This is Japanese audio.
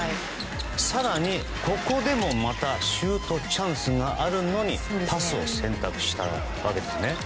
更にここでもまたシュートチャンスがあるのにパスを選択したわけですね。